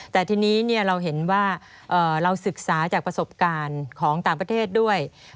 แต่ทีนี้เราเห็นว่าเราศึกษาจากประสบการณ์ของต่างประเทศด้วย